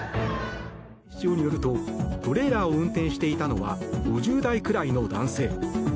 警視庁によるとトレーラーを運転していたのは５０代くらいの男性。